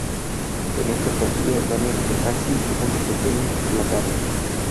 En este partido Damian McKenzie tuvo un desempeño implacable.